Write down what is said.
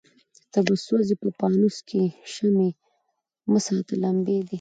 ته به سوځې په پانوس کي شمعي مه ساته لمبې دي